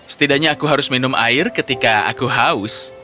setidaknya aku harus minum air ketika aku haus